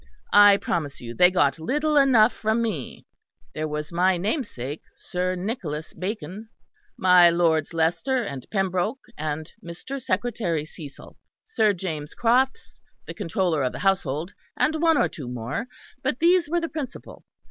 I promise you they got little enough from me. There was my namesake, Sir Nicholas Bacon, my lords Leicester and Pembroke, and Mr. Secretary Cecil; Sir James Crofts, the Controller of the Household, and one or two more; but these were the principal.